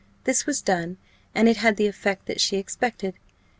This was done, and it had the effect that she expected.